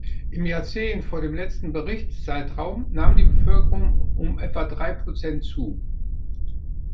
Im Jahrzehnt vor dem letzten Berichtszeitraum nahm die Bevölkerung um etwa drei Prozent zu.